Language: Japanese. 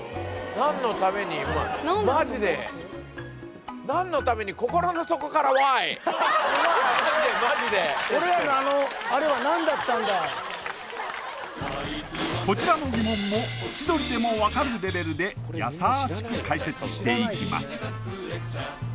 何のためにマジでマジで俺らのあのあれは何だったんだこちらの疑問も千鳥でも分かるレベルでやさしく解説していきます